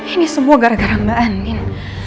ini semua gara gara mbak angin